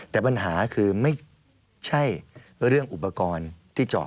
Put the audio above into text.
แต่ปัญหาคือไม่ใช่เรื่องอุปกรณ์ที่จอด